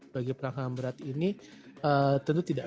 bagi pelanggaran ham berat ini tentu tidak